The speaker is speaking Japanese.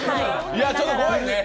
ちょっと怖いね